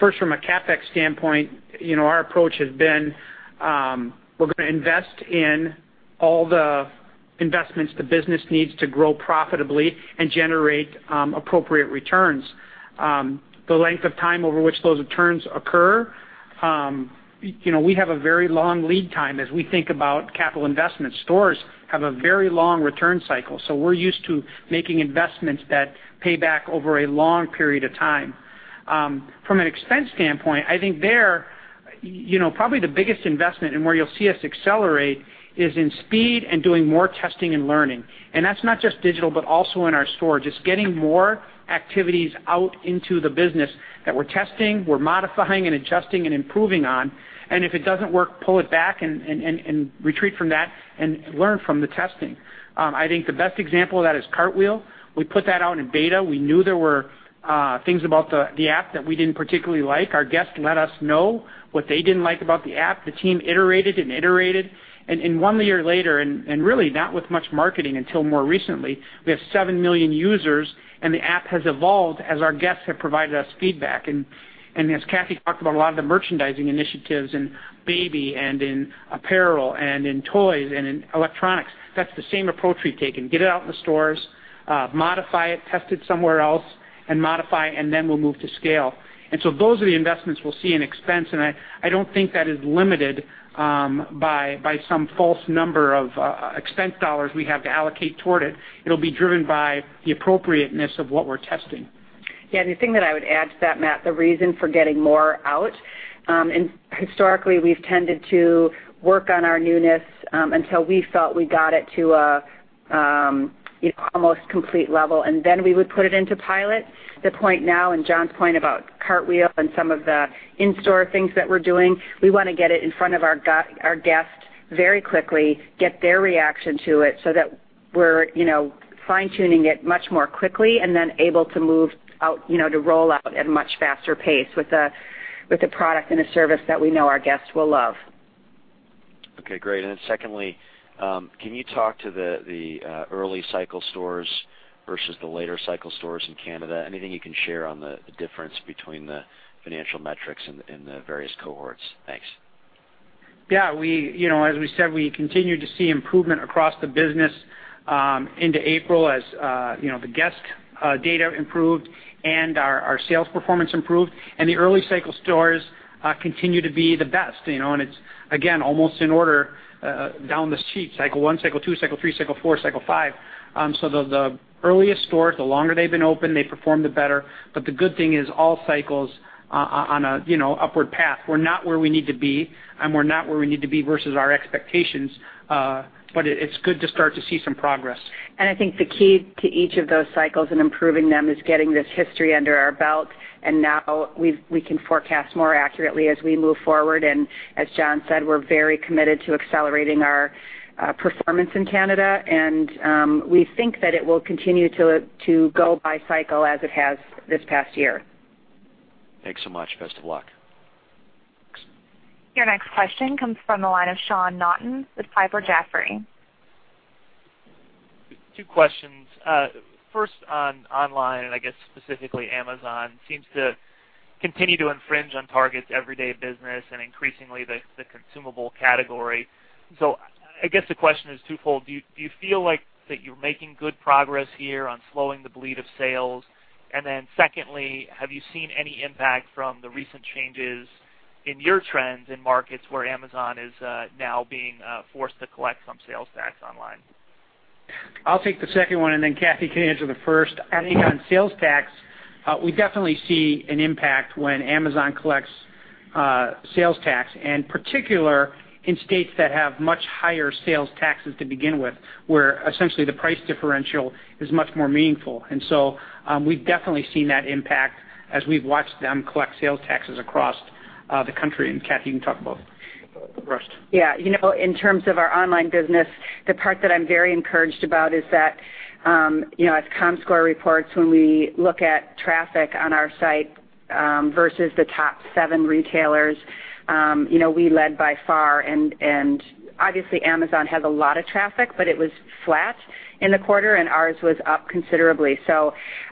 first, from a CapEx standpoint, our approach has been, we're going to invest in all the investments the business needs to grow profitably and generate appropriate returns. The length of time over which those returns occur, we have a very long lead time as we think about capital investments. Stores have a very long return cycle. We're used to making investments that pay back over a long period of time. From an expense standpoint, I think there, probably the biggest investment and where you'll see us accelerate is in speed and doing more testing and learning. That's not just digital, but also in our stores. Just getting more activities out into the business that we're testing, we're modifying and adjusting and improving on. If it doesn't work, pull it back and retreat from that and learn from the testing. I think the best example of that is Cartwheel. We put that out in beta. We knew there were things about the app that we didn't particularly like. Our guests let us know what they didn't like about the app. The team iterated and iterated. One year later, and really not with much marketing until more recently, we have 7 million users, and the app has evolved as our guests have provided us feedback. As Kathee talked about, a lot of the merchandising initiatives in baby and in apparel and in toys and in electronics, that's the same approach we've taken. Get it out in the stores, modify it, test it somewhere else, and modify. We'll move to scale. Those are the investments we'll see in expense, and I don't think that is limited by some false number of expense dollars we have to allocate toward it. It'll be driven by the appropriateness of what we're testing. Yeah, the thing that I would add to that, Matt, the reason for getting more out. Historically, we've tended to work on our newness until we felt we got it to an almost complete level. Then we would put it into pilot. The point now, and John's point about Cartwheel and some of the in-store things that we're doing, we want to get it in front of our guests very quickly, get their reaction to it, so that we're fine-tuning it much more quickly, and then able to roll out at a much faster pace with a product and a service that we know our guests will love. Okay, great. Then secondly, can you talk to the early-cycle stores versus the later-cycle stores in Canada? Anything you can share on the difference between the financial metrics in the various cohorts? Thanks. Yeah. As we said, we continue to see improvement across the business into April as the guest data improved and our sales performance improved. The early-cycle stores continue to be the best. It's, again, almost in order down the sheet, cycle 1, cycle 2, cycle 3, cycle 4, cycle 5. The earliest stores, the longer they've been open, they perform the better. The good thing is all cycles are on an upward path. We're not where we need to be, and we're not where we need to be versus our expectations. It's good to start to see some progress. I think the key to each of those cycles and improving them is getting this history under our belt. Now we can forecast more accurately as we move forward. As John said, we're very committed to accelerating our performance in Canada, and we think that it will continue to go by cycle as it has this past year. Thanks so much. Best of luck. Your next question comes from the line of Sean Naughton with Piper Jaffray. Two questions. First on online, I guess specifically Amazon, seems to continue to infringe on Target's everyday business and increasingly the consumable category. I guess the question is twofold. Do you feel like that you're making good progress here on slowing the bleed of sales? Secondly, have you seen any impact from the recent changes in your trends in markets where Amazon is now being forced to collect some sales tax online? I'll take the second one, Cathy can answer the first. I think on sales tax, we definitely see an impact when Amazon collects sales tax, and particular in states that have much higher sales taxes to begin with, where essentially the price differential is much more meaningful. We've definitely seen that impact as we've watched them collect sales taxes across the country. Cathy, you can talk about the rest. In terms of our online business, the part that I'm very encouraged about is that as comScore reports, when we look at traffic on our site versus the top seven retailers. We led by far, and obviously Amazon has a lot of traffic, but it was flat in the quarter, and ours was up considerably.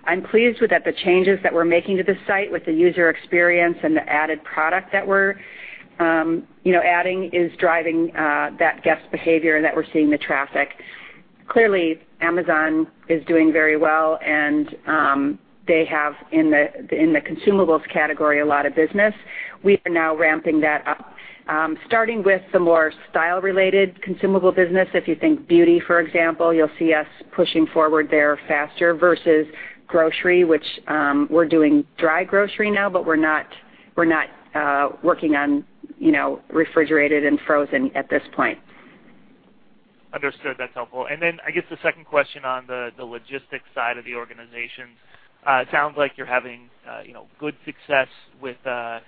I'm pleased with the changes that we're making to the site with the user experience and the added product that we're adding is driving that guest behavior and that we're seeing the traffic. Clearly, Amazon is doing very well, and they have, in the consumables category, a lot of business. We are now ramping that up. Starting with the more style-related consumable business, if you think beauty, for example, you'll see us pushing forward there faster versus grocery, which we're doing dry grocery now, but we're not working on refrigerated and frozen at this point. Understood. That's helpful. I guess the second question on the logistics side of the organization. It sounds like you're having good success with the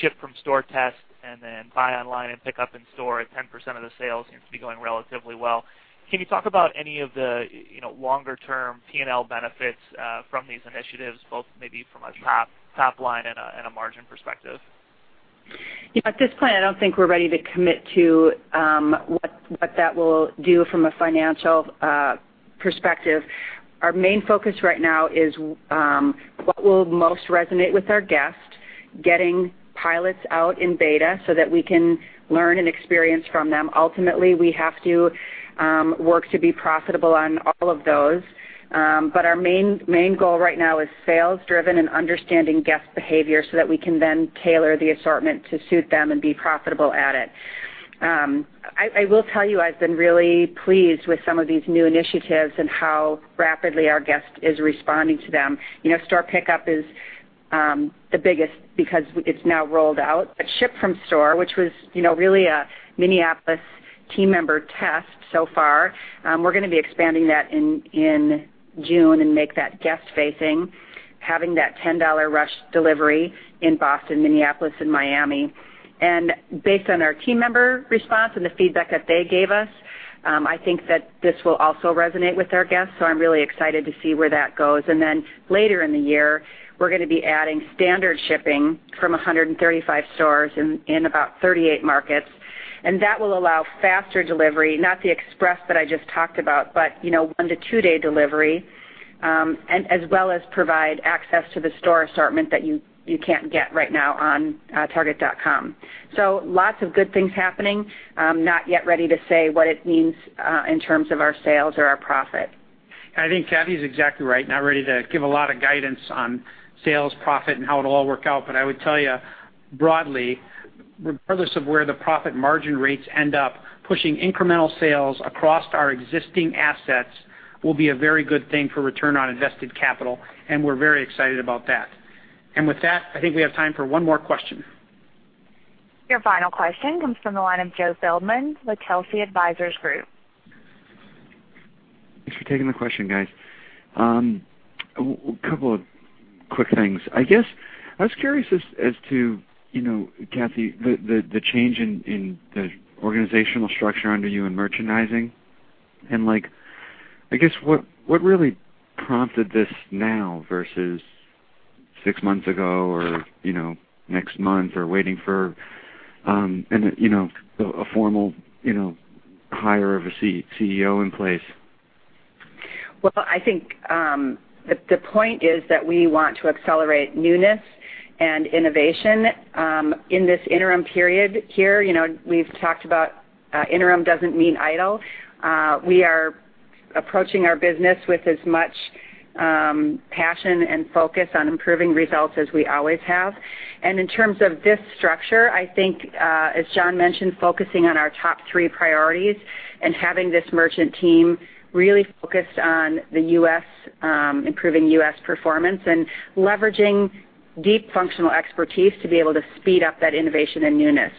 ship-from-store test and then buy online and pickup in-store at 10% of the sales seems to be going relatively well. Can you talk about any of the longer-term P&L benefits from these initiatives, both maybe from a top-line and a margin perspective? At this point, I don't think we're ready to commit to what that will do from a financial perspective. Our main focus right now is what will most resonate with our guests, getting pilots out in beta so that we can learn and experience from them. Ultimately, we have to work to be profitable on all of those. Our main goal right now is sales-driven and understanding guest behavior so that we can then tailor the assortment to suit them and be profitable at it. I will tell you, I've been really pleased with some of these new initiatives and how rapidly our guest is responding to them. Store pickup is the biggest because it's now rolled out. Ship from store, which was really a Minneapolis team member test so far, we're going to be expanding that in June and make that guest-facing, having that $10 rush delivery in Boston, Minneapolis, and Miami. Based on our team member response and the feedback that they gave us, I think that this will also resonate with our guests, I'm really excited to see where that goes. Later in the year, we're going to be adding standard shipping from 135 stores in about 38 markets, that will allow faster delivery, not the express that I just talked about, but one-to-two-day delivery, as well as provide access to the store assortment that you can't get right now on target.com. Lots of good things happening. Not yet ready to say what it means in terms of our sales or our profit. I think Kathee's exactly right. Not ready to give a lot of guidance on sales, profit, and how it'll all work out. I would tell you, broadly, regardless of where the profit margin rates end up, pushing incremental sales across our existing assets will be a very good thing for return on invested capital, and we're very excited about that. With that, I think we have time for one more question. Your final question comes from the line of Joe Feldman with Telsey Advisory Group. Thanks for taking the question, guys. A couple of quick things. I guess I was curious as to, Cathy, the change in the organizational structure under you in merchandising, I guess what really prompted this now versus six months ago or next month or waiting for a formal hire of a CEO in place? I think the point is that we want to accelerate newness and innovation in this interim period here. We've talked about interim doesn't mean idle. We are approaching our business with as much passion and focus on improving results as we always have. In terms of this structure, I think, as John mentioned, focusing on our top three priorities and having this merchant team really focused on the U.S., improving U.S. performance, and leveraging deep functional expertise to be able to speed up that innovation and newness.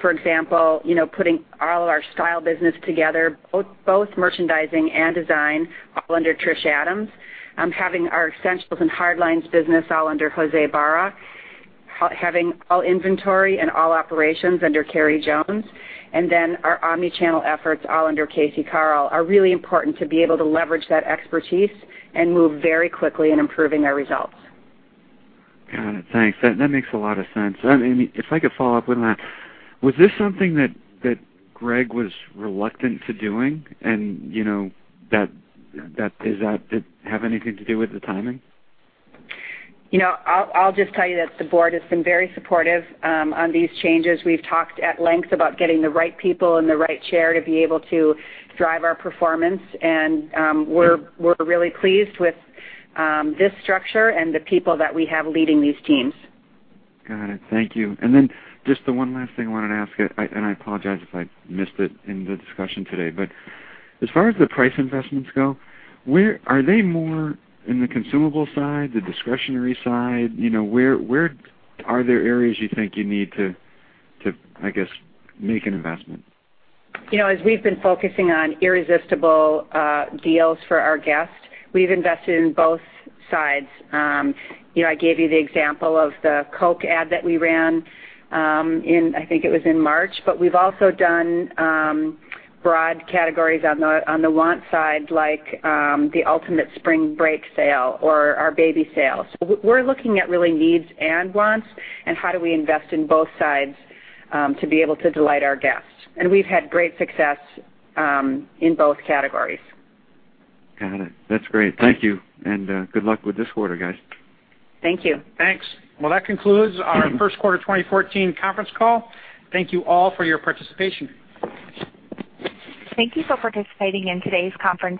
For example, putting all of our style business together, both merchandising and design, all under Trish Adams. Having our essentials and hard lines business all under Jose Barra. Having all inventory and all operations under Keri Jones. Our omni-channel efforts all under Casey Carl are really important to be able to leverage that expertise and move very quickly in improving our results. Got it. Thanks. That makes a lot of sense. If I could follow up with that, was this something that Gregg was reluctant to doing, and did that have anything to do with the timing? I'll just tell you that the board has been very supportive on these changes. We've talked at length about getting the right people in the right chair to be able to drive our performance, and we're really pleased with this structure and the people that we have leading these teams. Got it. Thank you. Just the one last thing I wanted to ask, I apologize if I missed it in the discussion today, as far as the price investments go, are they more in the consumable side, the discretionary side? Where are there areas you think you need to, I guess, make an investment? As we've been focusing on irresistible deals for our guests, we've invested in both sides. I gave you the example of the Coke ad that we ran in, I think it was in March, we've also done broad categories on the want side, like the Ultimate Spring Break Sale or our baby sale. We're looking at really needs and wants and how do we invest in both sides to be able to delight our guests. We've had great success in both categories. Got it. That's great. Thank you. Good luck with this quarter, guys. Thank you. Thanks. That concludes our first quarter 2014 conference call. Thank you all for your participation. Thank you for participating in today's conference call.